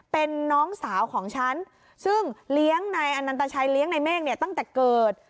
เป็นน้องสาวของฉันซึ่งเลี้ยงนายอนันตชัยเลี้ยงในเมฆเนี่ยตั้งแต่เกิด